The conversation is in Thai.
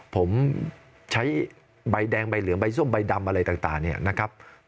ผมใช้ใบแดงใบเหลืองใบส้มใบดำอะไรต่างเนี่ยนะครับ